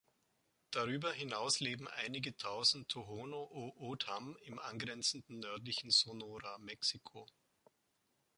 Darüber hinaus leben einige tausend Tohono O'Odham im angrenzenden nördlichen Sonora, Mexiko.